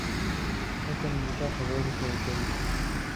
Esto milita a favor de su autoría.